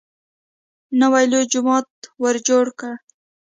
نوی لوی جومات ورجوړ کړ.